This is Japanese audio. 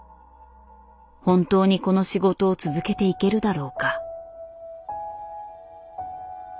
「本当にこの仕事を続けていけるだろうか？」。